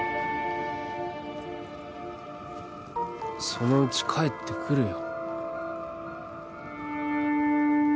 そのうち帰ってくるよ